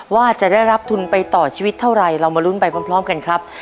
ว่าจะได้รับทุนไปต่อชีวิตเท่าไรเรามาลุ้นไปพร้อมกันครับ